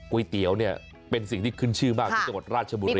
เตี๋ยวเนี่ยเป็นสิ่งที่ขึ้นชื่อมากที่จังหวัดราชบุรี